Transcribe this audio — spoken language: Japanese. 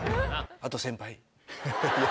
あと先輩。